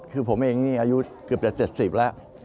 คือผมเองอายุเกือบแต่๗๐แล้ว